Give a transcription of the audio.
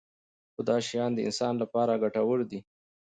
خو دا شیان د انسان لپاره ګټور دي.